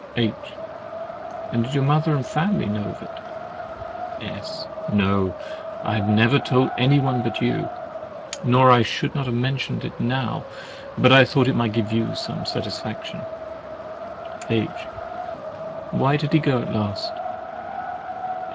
H. And did your mother and family know of it? S. No—I have never told any one but you; nor I should not have mentioned it now, but I thought it might give you some satisfaction. H. Why did he go at last?